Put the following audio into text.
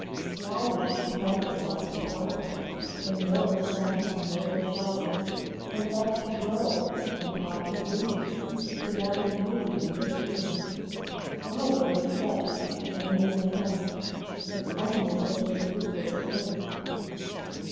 Why was she planted like a flower In mortal sun and mortal shower, And left to grow, and taught to bloom, To gather beauty and perfume ; Why were we set to train and tend If only for this bootless end?